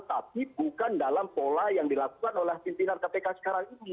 tapi bukan dalam pola yang dilakukan oleh pimpinan kpk sekarang ini